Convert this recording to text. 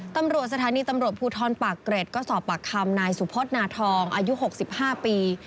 ตำรวจสถานีตำรวจภูทรปากเกร็ดก็สอบปากคำนายสุพธนาทองอายุ๖๕ปี